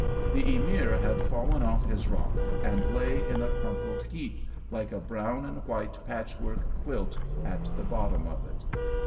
The Emir had fallen off his rock and lay in a crumpled heap, like a brown and white patch work quilt at the bottom of it.